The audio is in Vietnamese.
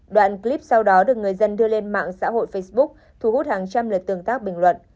đoạn clip sau đó được người dân đưa lên mạng xã hội facebook thu hút hàng trăm lượt tương tác bình luận